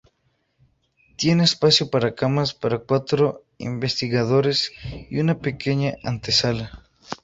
Tiene espacio para camas para cuatro investigadores y una pequeña antesala.